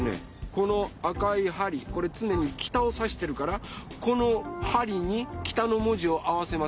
この赤いはりこれつねに北をさしてるからこのはりに北の文字を合わせます。